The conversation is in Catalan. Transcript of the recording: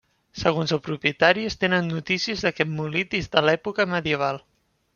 Segons el propietari es tenen notícies d'aquest molí des de l'època medieval.